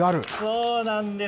そうなんです。